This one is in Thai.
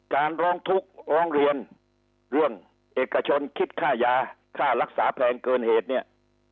ร้องทุกข์ร้องเรียนเรื่องเอกชนคิดค่ายาค่ารักษาแพงเกินเหตุเนี่ย